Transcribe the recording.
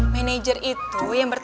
manajer itu yang bertugas